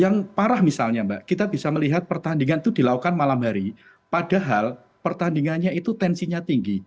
yang parah misalnya mbak kita bisa melihat pertandingan itu dilakukan malam hari padahal pertandingannya itu tensinya tinggi